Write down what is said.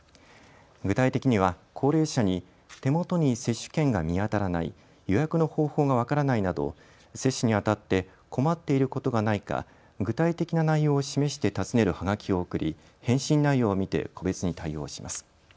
具体的には高齢者に手元に接種券が見当たらない、予約の方法が分からないなど、接種にあたって困っていることはないか具体的な内容を示して尋ねるはがきを送り、返信内容を見て個別に対応します。